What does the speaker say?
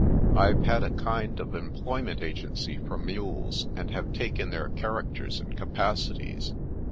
" I've had a kind of employment agency for mules, and have taken their characters and capacities.